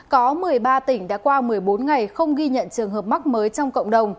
có một mươi ba tỉnh đã qua một mươi bốn ngày không ghi nhận trường hợp mắc mới trong cộng đồng